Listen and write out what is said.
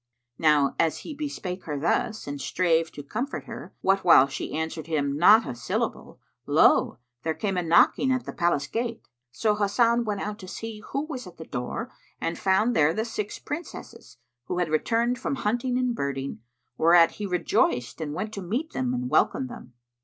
Now as he bespake her thus and strave to comfort her, what while she answered him not a syllable, lo! there came a knocking at the palace gate. So Hasan went out to see who was at the door and found there the six Princesses, who had returned from hunting and birding, whereat he rejoiced and went to meet them and welcomed them.